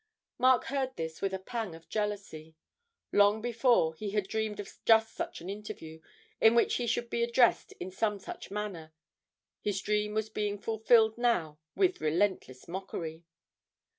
Mark heard this with a pang of jealousy. Long before, he had dreamed of just such an interview, in which he should be addressed in some such manner his dream was being fulfilled now with relentless mockery!